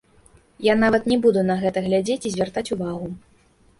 Я нават не буду на гэта глядзець і звяртаць увагу.